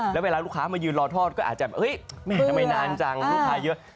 แล้วเวลาลูกค้ามายืนรอทอดก็อาจจะแม่ทำไมนานจังลูกค้าเยอะ